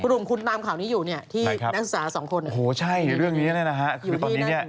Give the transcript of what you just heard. กรุงคุณตามข่าวนี้อยู่ที่นักศาสตร์๒คน